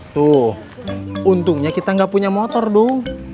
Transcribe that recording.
tuh untungnya kita nggak punya motor dong